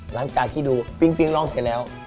หลังจากที่ดูปิ๊งร้องเสร็จแล้ว